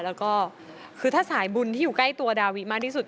แล้วก็คือถ้าสายบุญที่อยู่ใกล้ตัวดาวิมากที่สุด